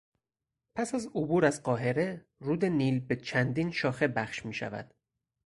پس از عبور از قاهره رود نیل به چندین شاخه بخش میشود.